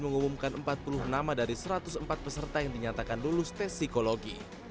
mengumumkan empat puluh nama dari satu ratus empat peserta yang dinyatakan lulus tes psikologi